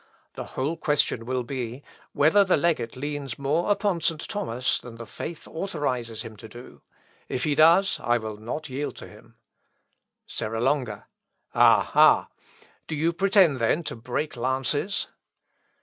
The whole question will be, Whether the legate leans more upon St. Thomas than the faith authorises him to do? If he does, I will not yield to him." Serra Longa. "Ah! Ah! Do you pretend, then, to break lances?"